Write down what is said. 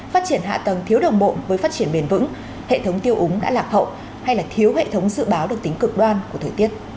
phát triển hạ tầng thiếu đồng bộ với phát triển bền vững hệ thống tiêu úng đã lạc hậu hay thiếu hệ thống dự báo được tính cực đoan của thời tiết